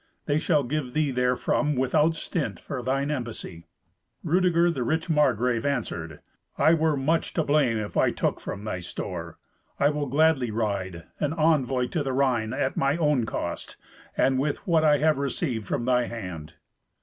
They shall give thee therefrom without stint for thine embassy." Rudeger, the rich Margrave, answered, "I were much to blame if I took from thy store. I will gladly ride, an envoy to the Rhine, at mine own cost, and with what I have received from thy hand."